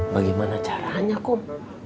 bagaimana caranya kum